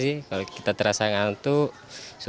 seketika setelah nangis